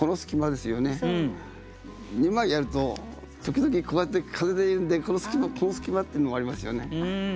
２枚あると時々こうやって風で揺れてこの隙間っていうのもありますよね。